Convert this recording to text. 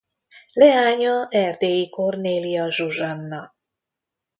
Leánya Erdélyi Kornélia Zsuzsanna.